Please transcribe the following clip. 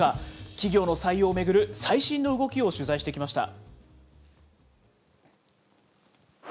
企業の採用を巡る、最新の動きを取材してきました。